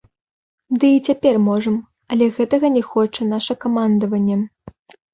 Ды, і цяпер можам, але гэтага не хоча наша камандаванне.